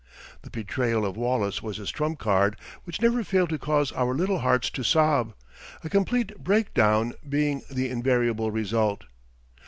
The betrayal of Wallace was his trump card which never failed to cause our little hearts to sob, a complete breakdown being the invariable result.